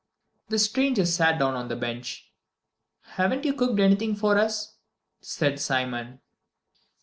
The stranger sat down on the bench. "Haven't you cooked anything for us?" said Simon.